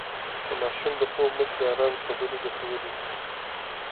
د ماشوم د خوب مخکې ارام خبرې ګټورې دي.